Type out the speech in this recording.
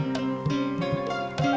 bapak juga suka